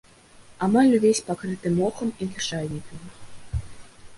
Амаль увесь пакрыты мохам і лішайнікамі.